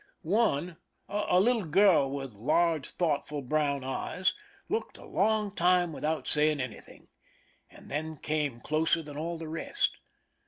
One, a little girl with large, thoughtful brown eyes, looked a long time without saying anything, and then came closer than all the rest.